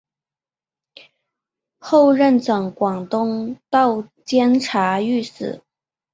后任掌广东道监察御史。